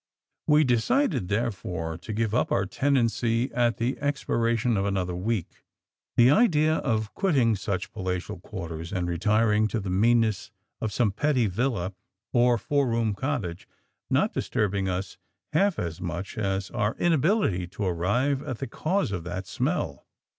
We decided, therefore, to give up our tenancy at the expiration of another week, the idea of quitting such palatial quarters and retiring to the meanness of some petty villa or four room cottage not disturbing us half so much as our inability to arrive at the cause of that Smell.